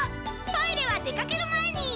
トイレは出掛ける前に！